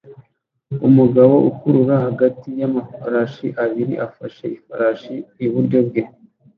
umugabo ukurura hagati y'amafarashi abiri afashe ifarashi iburyo bwe